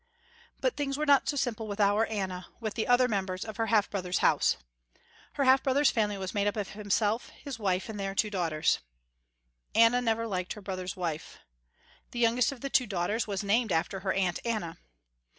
But things were not so simple with our Anna, with the other members of her half brother's house. Her half brother's family was made up of himself, his wife, and their two daughters. Anna never liked her brother's wife. The youngest of the two daughters was named after her aunt Anna.